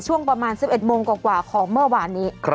ช่วงประมาณ๑๑โมงกว่าของเมื่อวานนี้